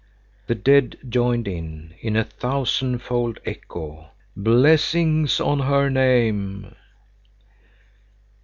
The dead joined in, in a thousandfold echo: "Blessings on her name!"